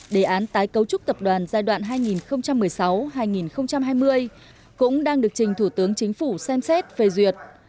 đề án tái cấu trúc tập đoàn giai đoạn hai nghìn một mươi sáu hai nghìn hai mươi cũng đang được trình thủ tướng chính phủ xem xét phê duyệt